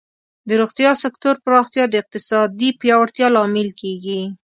د روغتیا سکتور پراختیا د اقتصادی پیاوړتیا لامل کیږي.